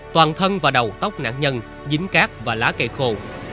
toàn thân và đầu tóc nạn nhân dính cát và lá cây khô